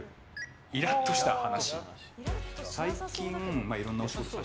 イラっとした話。